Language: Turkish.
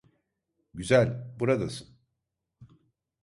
Güzel, buradasın.